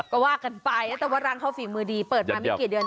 ก็ว่ากันไปนะแต่ว่าร้านเขาฝีมือดีเปิดมาไม่กี่เดือน